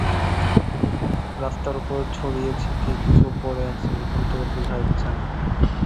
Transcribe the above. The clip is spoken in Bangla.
রাস্তার ওপর ছড়িয়ে-ছিটিয়ে কিছু পড়ে আছে, এখান থেকে বোঝা যাচ্ছে না।